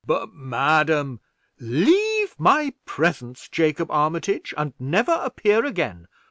"But, madam " "Leave my presence, Jacob Armitage, and never appear again.